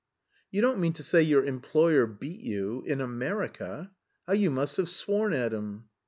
"You don't mean to say your employer beat you? In America? How you must have sworn at him!"